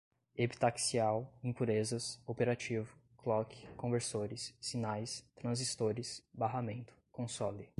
epitaxial, impurezas, operativo, clock, conversores, sinais, transistores, barramento, console